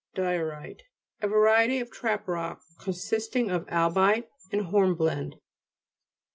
DI'OIUTE A variety of trap rock consisting of albite and hornblende.